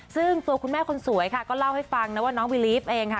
ซึ่งตัวคุณแม่คนสวยค่ะก็เล่าให้ฟังนะว่าน้องวิลีฟเองค่ะ